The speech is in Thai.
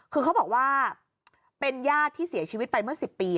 คือเขาบอกว่าเป็นญาติที่เสียชีวิตไปเมื่อ๑๐ปี